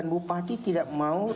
bupati tidak mau